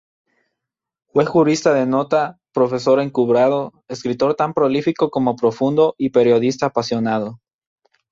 Fue jurista de nota, profesor encumbrado, escritor tan prolífico como profundo y periodista apasionado.